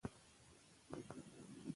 دا ډير قيمتي ذکر دی